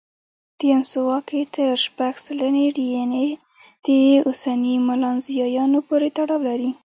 دینسووا کې تر شپږ سلنې ډياېناې د اوسني ملانزیایانو پورې تړاو لري.